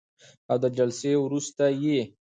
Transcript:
او د جلسې وروسته یې